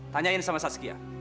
tanyain sama saskia